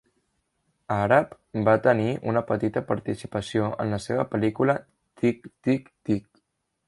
Aarav va tenir una petita participació en la seva pel·lícula, "Tik Tik Tik"".